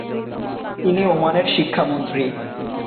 তিনি ওমানের শিক্ষা মন্ত্রী।